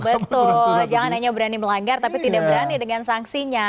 betul jangan hanya berani melanggar tapi tidak berani dengan sanksinya